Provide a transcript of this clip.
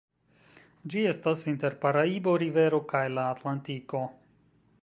Ĝi estas inter Paraibo-rivero kaj la Atlantiko.